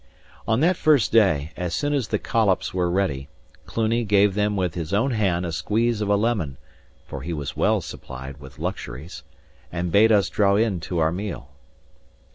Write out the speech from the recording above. On that first day, as soon as the collops were ready, Cluny gave them with his own hand a squeeze of a lemon (for he was well supplied with luxuries) and bade us draw in to our meal.